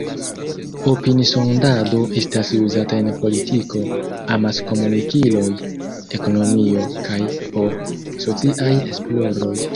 Opini-sondado estas uzata en politiko, amas-komunikiloj, ekonomio kaj por sociaj esploroj.